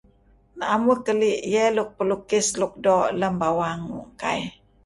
Naem uih keli' eey pelukis suk doo' lam bawang kaih.